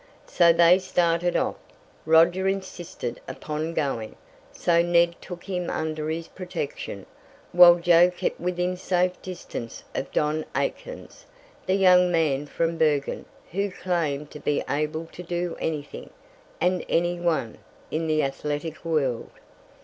So they started off. Roger insisted upon going, so Ned took him under his protection, while Joe kept within safe distance of Don Aikins, the young man from Bergen who claimed to be able to do anything, and any one, in the athletic world.